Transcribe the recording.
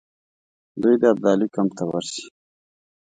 دوی د ابدالي کمپ ته ورسي.